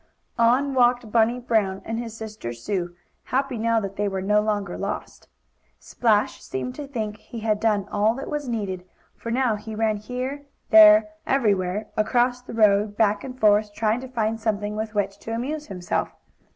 On walked Bunny Brown and his sister Sue, happy now that they were no longer lost. Splash seemed to think he had done all that was needed, for now he ran here, there, everywhere across the road, back and forth, trying to find something with which to amuse himself.